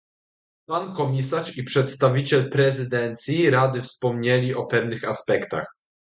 Pan komisarz i przedstawiciel prezydencji Rady wspomnieli o pewnych aspektach